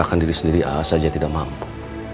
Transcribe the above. galakan diri sendiri accuracy aja tidak mampu